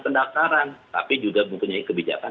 pendaftaran tapi juga mempunyai kebijakan